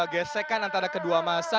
gesekan antara kedua masa